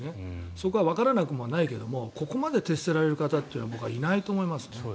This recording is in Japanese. そこはわからなくもないけどここまで徹せられる方っていないと思いますね。